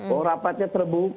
oh rapatnya terbuka